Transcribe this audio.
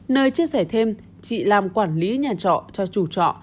nơi chia sẻ thêm chị làm quản lý nhà trọ cho chủ trọ